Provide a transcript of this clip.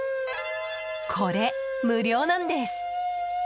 これ無料なんです。